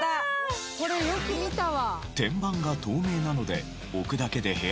これよく見たわ。